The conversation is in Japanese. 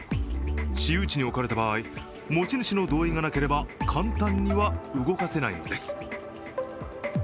私有地に置かれた場合、持ち主の同意がなければ簡単には動かせないのです。